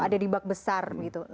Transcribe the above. ada di bak besar gitu